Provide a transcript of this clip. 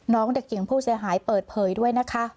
น้องเด็กหญิงผู้เสียหายเปิดเผยด้วยนะคะ